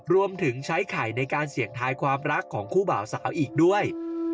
รวมถึงใช้ไข่ในการเสี่ยงทายความรักของคู่บ่าวสาวอีกด้วย